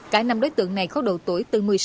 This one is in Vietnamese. cả năm đối tượng này có độ tuổi từ một mươi sáu